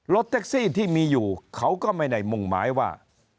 แท็กซี่ที่มีอยู่เขาก็ไม่ได้มุ่งหมายว่า